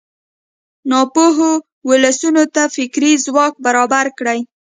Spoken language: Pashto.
ناپوهو ولسونو ته فکري خوراک برابر کړي.